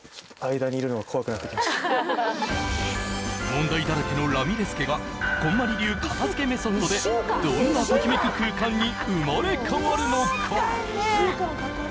問題だらけのラミレス家がこんまり流片づけメソッドでどんなときめく空間に生まれ変わるのか？